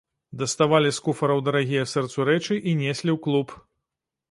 Даставалі з куфраў дарагія сэрцу рэчы і неслі ў клуб.